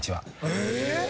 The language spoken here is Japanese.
え！